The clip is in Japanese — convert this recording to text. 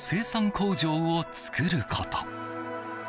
工場を作ること。